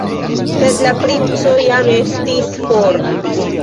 Sed la princo jam estis for.